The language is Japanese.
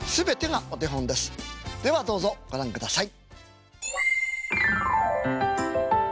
ではどうぞご覧ください。